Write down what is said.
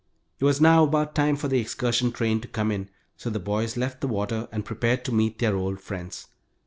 It was now about time for the excursion train to come in, so the boys left the water and prepared to meet their old friends.